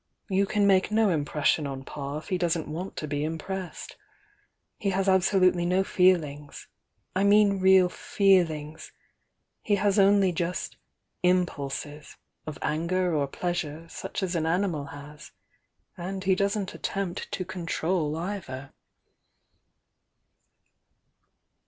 You can make no impression on Pa if he doesn't want to be impressed. He has absolutely no feelings— I mean real feelings,— he has only just 'impulses,' of anger or pleasure, such as an animal has— and he doesn t attempt to control either."